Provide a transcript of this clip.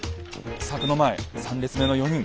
柵の前３列目の４人。